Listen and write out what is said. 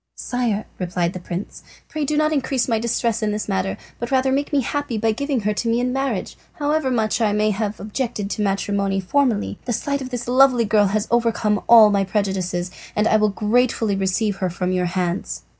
"Sire," replied the prince, "pray do not increase my distress in this matter, but rather make me happy by giving her to me in marriage. However much I may have objected to matrimony formerly, the sight of this lovely girl has overcome all my prejudices, and I will gratefully receive her from your hands."